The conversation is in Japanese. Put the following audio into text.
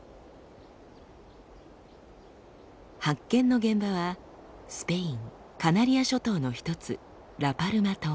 発見の現場はスペインカナリア諸島の一つラパルマ島。